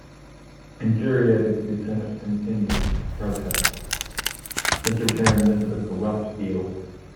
Infuriated, Kucinich continued to protest: Mr. Chairman, this is a corrupt deal!